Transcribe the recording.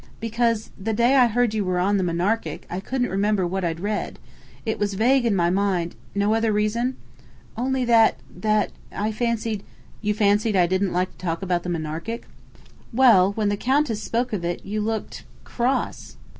"Because the day I heard you were on the Monarchic, I couldn't remember what I'd read. It was vague in my mind " "No other reason?" "Only that that I fancied " "You fancied I didn't like to talk about the Monarchic?" "Well, when the Countess spoke of it, you looked cross."